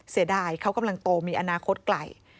เสียดายเขากำลังโตมีอนาคตไกล